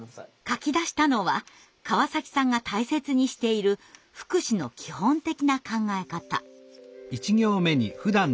書き出したのは川崎さんが大切にしている「福祉」の基本的な考え方。